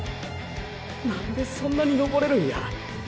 何でそんなに登れるんや。